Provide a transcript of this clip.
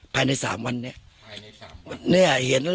ภายในสามวันนี้